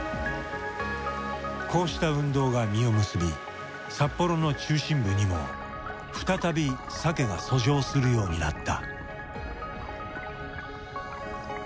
こうした運動が実を結び札幌の中心部にも再びサケが遡上するようになった。